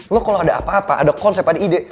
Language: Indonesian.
lo kalau ada apa apa ada konsep ada ide